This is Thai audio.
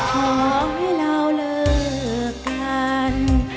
ขอให้เราเลิกกัน